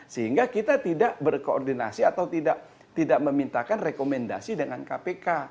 sehingga kita tidak berkoordinasi atau tidak memintakan rekomendasi dengan kpk